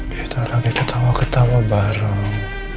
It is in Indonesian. kita lagi ketawa ketawa bareng